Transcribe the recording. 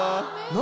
何？